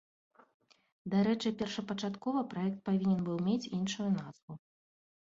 Дарэчы першапачаткова праект павінен быў мець іншую назву.